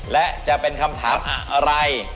และจะเป็นคำถามอะไร